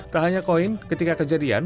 tak hanya koin ketika kejadian